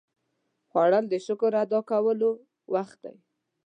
خوړل د شکر ادا کولو وخت دی